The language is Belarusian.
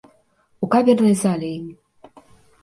У камернай зале ім.